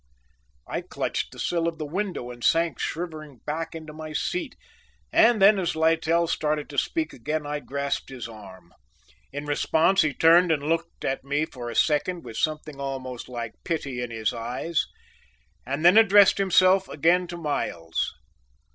I clutched the sill of the window and sank shivering back into my seat, and then as Littell started to speak again, I grasped his arm. In response he turned and looked at me for a second with something almost like pity in his eyes, and then addressed himself again to Miles.